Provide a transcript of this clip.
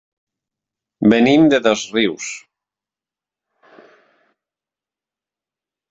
Venim de Dosrius.